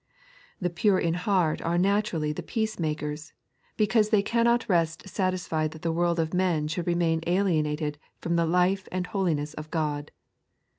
The pure in heart are naturally the peacemakers, because they cannot rest satisfied that the world of men should remain alienated from the life and hohnesa of God.